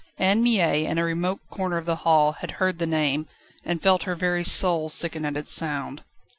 Anne Mie, in a remote corner of the hall, had heard the name, and felt her very soul sicken at its sound.